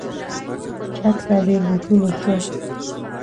چک ته بې بوټونو شه.